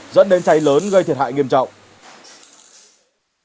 dẫn đến cháy lớn gây thiệt hại nghiêm trọng